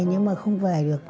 nhưng mà không về được